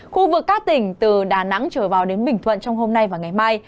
khu vực các tỉnh từ đà nẵng trở vào đến bình thuận trong hôm nay và ngày mai